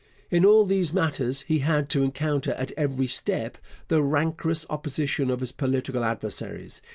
In all these matters he had to encounter at every step the rancorous opposition of his political adversaries.